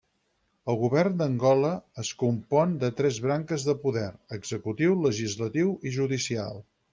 El govern d'Angola es compon de tres branques de poder: executiu, legislatiu i judicial.